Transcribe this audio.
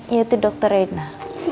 yaitu dokter reina